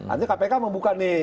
artinya kpk membuka nih